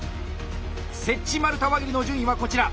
「接地丸太輪切り」の順位はこちら。